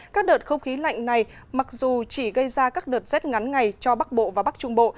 các đợt không khí lạnh này mặc dù chỉ gây ra các đợt rét ngắn ngày cho bắc bộ và bắc trung bộ